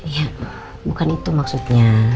ya bukan itu maksudnya